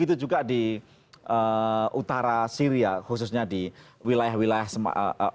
dan juga di utara syria khususnya di wilayah wilayah